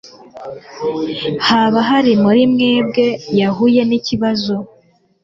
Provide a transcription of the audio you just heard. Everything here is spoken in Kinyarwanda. Hoba hari n'umwe muri mwebwe yahuye n'ikibazo?